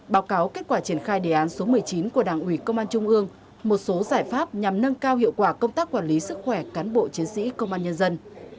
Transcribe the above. báo cáo kết quả triển khai đề án số một mươi chín của đảng ủy công an trung ương một số giải pháp nhằm nâng cao hiệu quả công tác quản lý sức khỏe cán bộ chiến sĩ công an nhân dân